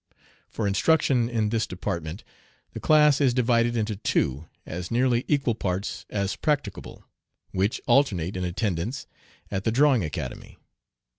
For instruction in this department the class is divided into two as nearly equal parts as practicable, which alternate in attendance at the Drawing Academy.